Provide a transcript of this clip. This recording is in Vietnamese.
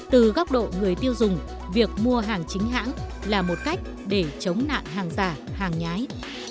từ góc độ người tiêu dùng việc mua hàng chính hãng là một cách để chống nạn hàng giả hàng nhái